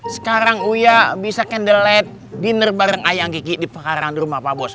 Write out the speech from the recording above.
sekarang uya bisa candlelight dinner bareng ayang kiki di pekarangan rumah pak bos